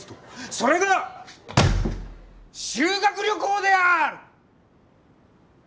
それが修学旅行である！